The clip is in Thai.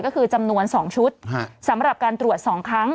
ก็คือจำนวน๒ชุดสำหรับการตรวจ๒ครั้ง